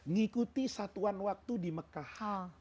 ngikuti satuan waktu di mekah